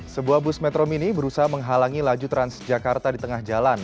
sebuah bus metro mini berusaha menghalangi laju transjakarta di tengah jalan